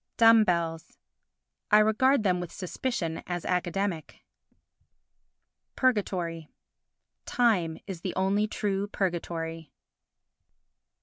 Dumb Bells I regard them with suspicion as academic. Purgatory Time is the only true purgatory.